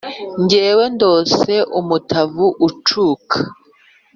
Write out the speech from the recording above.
Jyewe ndose umutavu ucuka,